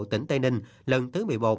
tỉnh tây ninh lần thứ một mươi một